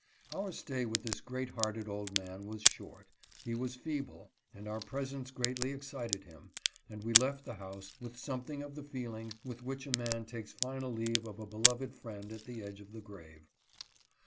Our stay with this great hearted old man was short. He was feeble, and our presence greatly excited him, and we left the house with something of the feeling with which a man takes final leave of a beloved friend at the edge of the grave.